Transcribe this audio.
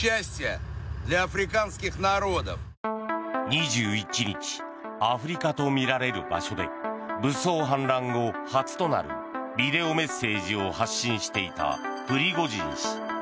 ２１日アフリカとみられる場所で武装反乱後初となるビデオメッセージを発信していたプリゴジン氏。